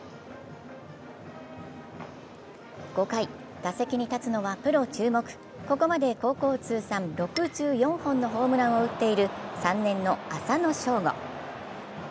５回、打席に立つのはプロ注目、ここまで高校通算６４本のホームランを打っている３年の浅野翔吾。